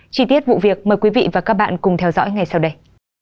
chi tiết vụ việc mời quý vị và các bạn cùng theo dõi ngay sau đây